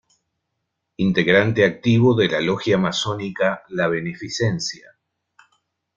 Integrante activo de la logia masónica "La Beneficencia".